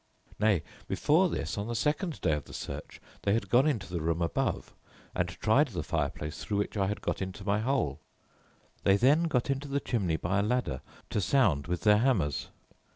"Nay, before this, on the second day of the search, they had gone into the room above, and tried the fireplace through which I had got into my hole. They then got into the chimney by a ladder to sound with their hammers.